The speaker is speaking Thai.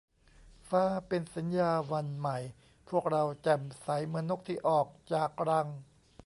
ฟ้า เป็นสัญญาวันใหม่ พวกเราแจ่มใส เหมือนนกที่ออกจากรัง